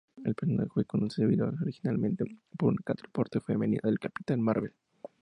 El personaje fue concebido originalmente como una contraparte femenina del Capitán Marvel.